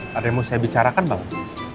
pak remon saya bicarakan banget